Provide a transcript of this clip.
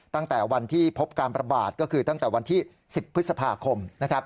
ตั้งแต่วันที่พบการประบาดก็คือตั้งแต่วันที่๑๐พฤษภาคมนะครับ